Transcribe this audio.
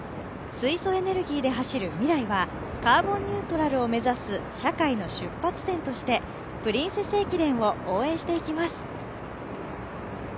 水素エネルギーで走るＭＩＲＡＩはカーボンニュートラルを目指す社会の出発点としてプリンセス駅伝を応援していきます。